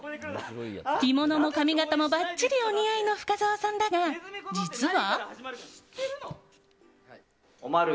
着物も髪形もばっちりお似合いの深澤さんだが、実は。